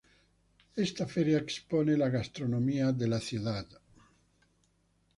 Esta feria expone la gastronomía de la ciudad.